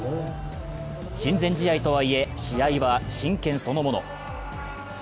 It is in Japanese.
親善試合とはいえ試合は真剣そのもの。